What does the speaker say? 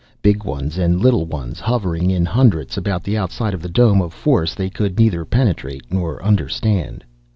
Big ones and little ones, hovering in hundreds about the outside of the dome of force they could neither penetrate nor understand.